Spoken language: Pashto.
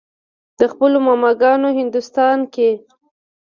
د خپلو ماما ګانو هندوستان کښې